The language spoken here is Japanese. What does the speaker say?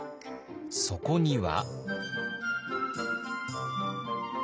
そこには。